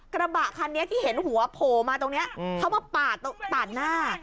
กระบะคันนี้ที่เห็นหัวโผล่มาตรงเนี้ยอืมเข้ามาปากตรงต่างหน้า